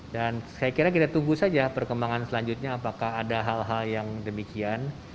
dan saya kira kita tunggu saja perkembangan selanjutnya apakah ada hal hal yang demikian